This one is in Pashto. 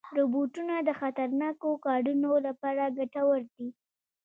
روبوټونه د خطرناکو کارونو لپاره ګټور دي.